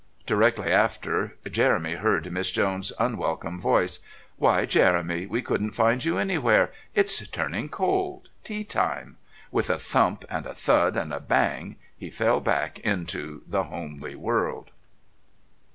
Directly after Jeremy heard Miss Jones's unwelcome voice: "Why, Jeremy, we couldn't find you anywhere. It's turning cold tea time " With a thump and a thud and a bang he fell back into the homely world.